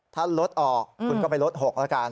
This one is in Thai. ถ้าลดออกคุณก็ไปลด๖แล้วกัน